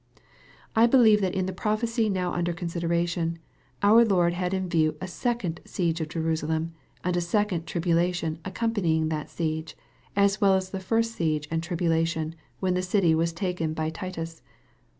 I believe that in the prophecy now under consideration, our Lord had in view a second siege of Jerusalem, and a second tribulation accompanying that siege, as well as the first siege and tribulation when the city was taken by Titus.